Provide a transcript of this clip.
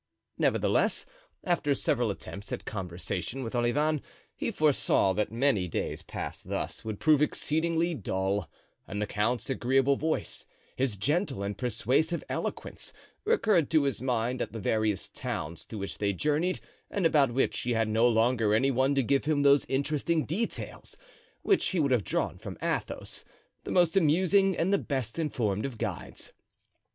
Nevertheless, after several attempts at conversation with Olivain he foresaw that many days passed thus would prove exceedingly dull; and the count's agreeable voice, his gentle and persuasive eloquence, recurred to his mind at the various towns through which they journeyed and about which he had no longer any one to give him those interesting details which he would have drawn from Athos, the most amusing and the best informed of guides.